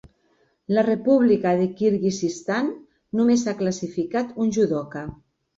La República de Kirguizistan. només ha classificat un judoka.